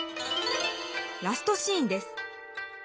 「ラストシーン」です。